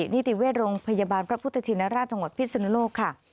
นิติเวชโรงพยาบาลพระพุทธชินราชจังหวัดพิศนุโลกค่ะ